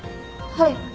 はい。